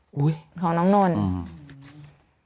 ของน้องนนท์